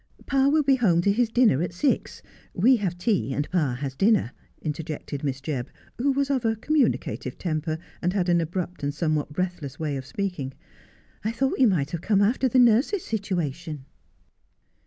182 Just as I Am. i' • Pa will be at home to his dinner at six — we have tea and pa has dinner,' interjected Miss Jebb, who was of a communicative temper, and had an abrupt and somewhat breathless way of speaking. 'I thought you might have come after the nurse's situation.'